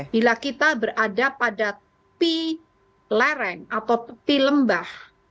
bila kita berada pada pi leren atau pi lembah